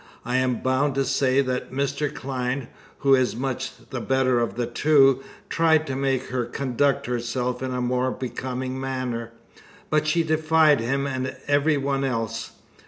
I am bound to say that Mr. Clyne, who is much the better of the two, tried to make her conduct herself in a more becoming manner. But she defied him and every one else.